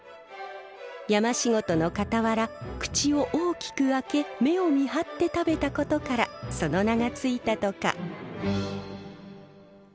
山仕事のかたわら口を大きく開け目をみはって食べたことからその名が付いたとか。